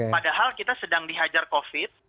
padahal kita sedang dihajar covid